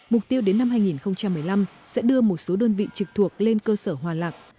mục tiêu đến năm hai nghìn một mươi năm sẽ đưa một số đơn vị trực thuộc lên cơ sở hòa lạc